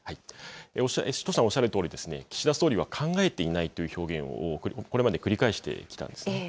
首藤さんおっしゃるように、岸田総理は、考えていないという表現を、これまで繰り返してきたんですね。